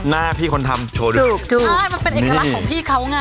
หน้าพี่คนทำโชว์ดูถูกใช่มันเป็นเอกลักษณ์ของพี่เขาไง